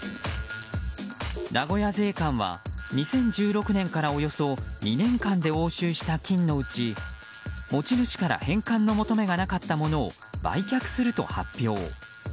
名古屋税関は２０１６年からおよそ２年間で押収した金のうち、持ち主から返還の求めがなかったものを売却すると発表。